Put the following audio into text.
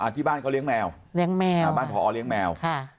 ที่บ้านเขาเลี้ยงแมวบ้านพอเลี้ยงแมว